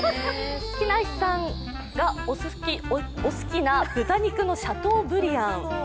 木梨さんがお好きな豚肉のシャトーブリアン。